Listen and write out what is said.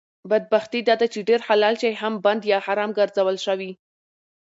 بدبختي داده چې ډېر حلال شی هم بند یا حرام ګرځول شوي